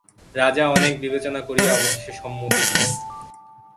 রাজা অনেক বিবেচনা করিয়া অবশেষে সম্মতি দিলেন।